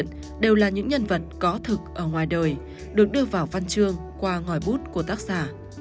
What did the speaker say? những nhân vật có thực ở ngoài đời được đưa vào văn chương qua ngòi bút của tác giả